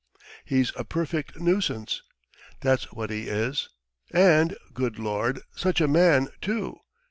... He's a perfect nuisance, that's what he is. And, good Lord, such a man, too!